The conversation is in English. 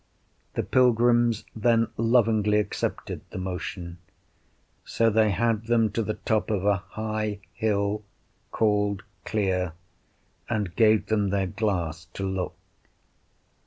The pilgrims then lovingly accepted the motion; so they had them to the top of a high hill, called Clear, and gave them their glass to look.